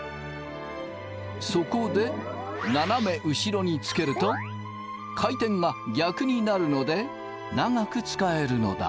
そこで斜め後ろにつけると回転が逆になるので長く使えるのだ。